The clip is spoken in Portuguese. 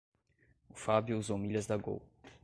O Fábio usou milhas da Gol.